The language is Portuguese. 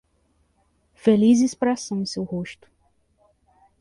Feliz expressão em seu rosto